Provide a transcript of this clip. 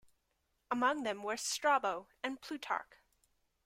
Among them were Strabo and Plutarch.